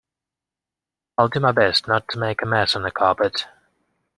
I'll do my best not to make a mess on the carpet.